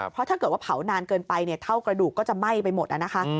เพราะถ้าเกิดว่าเผานานเกินไปเท่ากระดูกก็จะไหม้ไปหมดนะคะ